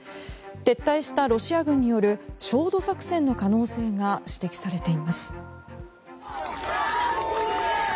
撤退したロシア軍による焦土作戦の可能性が指摘されています。